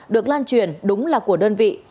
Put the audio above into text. được lan truyền đúng là của đơn vị